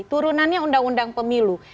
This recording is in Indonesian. turunannya undang undang pemilu